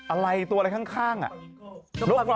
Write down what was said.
อะไรตัวอะไรข้างอ่ะ